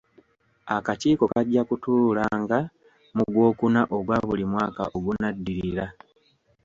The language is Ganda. Akakiiko kajja kutuulanga mu Gwokuna ogwa buli mwaka ogunaddirira.